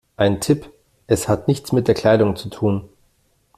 Ein Tipp: Es hat nichts mit der Kleidung zu tun.